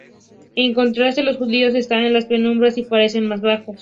En contraste, los judíos están en la penumbra y parecen más bajos.